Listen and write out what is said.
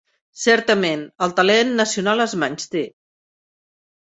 Certament, el talent nacional es menysté.